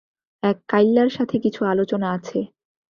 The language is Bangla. এক কাইল্লার সাথে কিছু আলোচনা আছে।